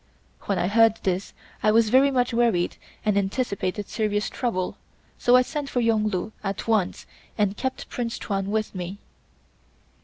When I heard this I was very much worried and anticipated serious trouble, so I sent for Yung Lu at once and kept Prince Tuan with me.